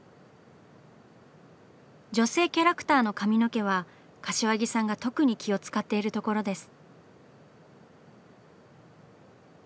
女性キャラクターの髪の毛は柏木さんが特に気を遣っているところです。